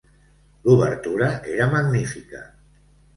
L'obertura era magnífica.